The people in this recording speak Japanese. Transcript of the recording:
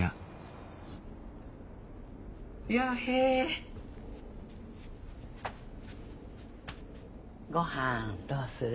陽平ごはんどうする？